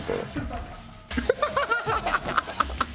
ハハハハ！